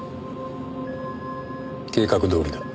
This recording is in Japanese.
計画どおりだ。